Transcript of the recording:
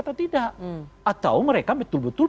atau tidak atau mereka betul betul